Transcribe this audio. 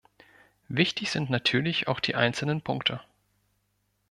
Wichtig sind natürlich auch die einzelnen Punkte.